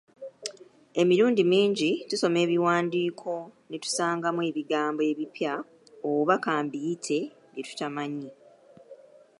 Emirundi mingi tusoma ebiwandiiko ne tusangamu ebigambo ebipya oba ka mbiyite bye tutamanyi.